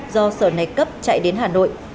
do sở này cấp chạy đến hà nội